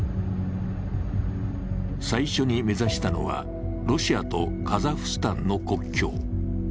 最初に目指したのは、ロシアとカザフスタンの国境。